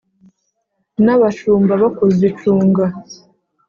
n' abashumba bo kuzicunga